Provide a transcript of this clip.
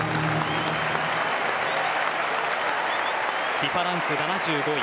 ＦＩＦＡランク７５位